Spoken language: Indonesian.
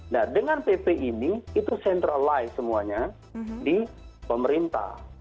nah dengan pp ini itu centralize semuanya di pemerintah